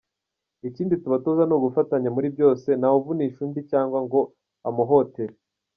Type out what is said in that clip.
Ikindi tubatoza ni ugufatanya muri byose ntawe uvunisha undi cyangwa ngo ampohotere”.